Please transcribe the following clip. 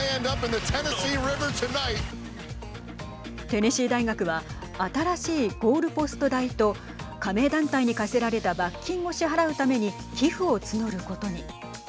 テネシー大学は新しいゴールポスト代と加盟団体に課せられた罰金を支払うために寄付を募ることに。